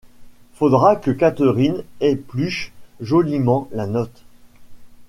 Faudra que Catherine épluche joliment la note.